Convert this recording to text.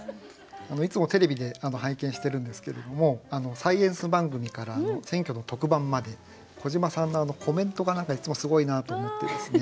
いつもテレビで拝見してるんですけれどもサイエンス番組から選挙の特番まで小島さんのコメントがいつもすごいなと思ってですね